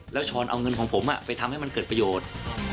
แล้วช้อนเอาเงินของผมไปทำให้มันเกิดประโยชน์